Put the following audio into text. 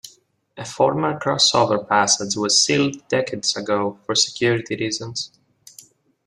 A former crossover passage was sealed decades ago for security reasons.